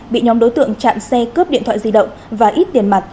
bị nhóm đối tượng chặn xe cướp điện thoại di động và ít tiền mặt